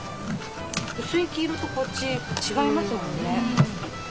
薄い黄色とこっち違いますもんね。